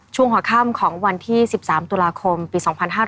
ช่วงหัวค่ำของวันที่๑๓ตุลาคมปี๒๕๕๙